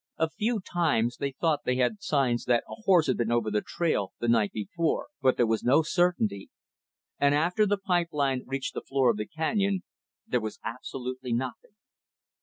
A few times, they thought they had signs that a horse had been over the trail the night before, but there was no certainty; and after the pipe line reached the floor of the canyon there was absolutely nothing.